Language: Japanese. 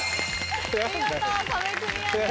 見事壁クリアです。